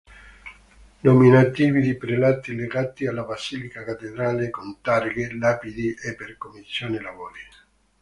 Nominativi di prelati legati alla basilica cattedrale con targhe, lapidi o per commissioni lavori.